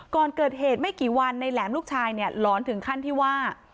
ก่อนเกิดเหตุไม่กี่วันในแหลมลูกชายเนี่ยหลอนถึงขั้นที่ว่า